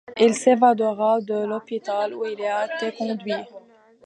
Il s’évadera de l’hôpital où il a été conduit.